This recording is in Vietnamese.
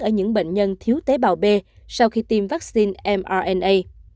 ở những bệnh nhân thiếu tế bào b sau khi tiêm vaccine mrna